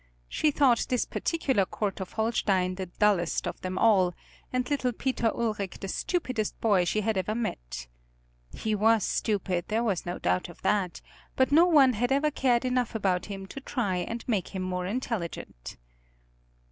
She thought this particular court of Holstein the dullest of them all, and little Peter Ulric the stupidest boy she had ever met. He was stupid, there was no doubt of that, but no one had ever cared enough about him to try and make him more intelligent.